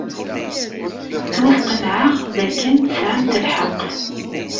Ttwasqenɛeɣ dakken tesɛamt lḥeqq.